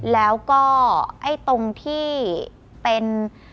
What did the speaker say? แล้วก็ไอ้ตรงที่เป็น